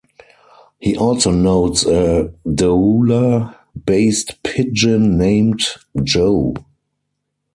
He also notes a Douala-based pidgin named "Jo".